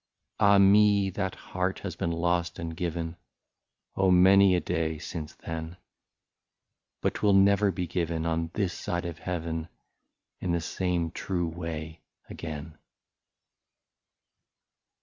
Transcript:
Ah me ! that heart has been lost and given. Oh ! many a day since then ; But 't will never be given on this side Heaven, In the same true way again.